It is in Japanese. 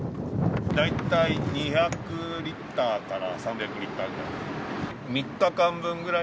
大体２００リッターから３００リッターぐらい。